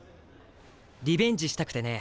リベンジしたくてね。